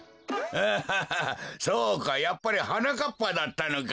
アハハそうかやっぱりはなかっぱだったのか。